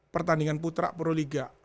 pertandingan putra proliga